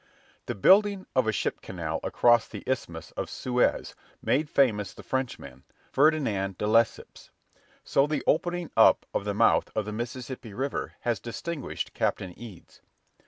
The building of a ship canal across the Isthmus of Suez made famous the Frenchman, Ferdinand de Lesseps: so the opening up of the mouth of the Mississippi River has distinguished Captain Eads.